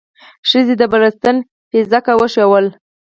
ښځې د بړستن پيڅکه وښويوله.